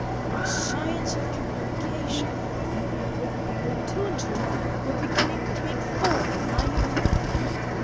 The Science of Communication! Two and two were beginning to make four in my mind.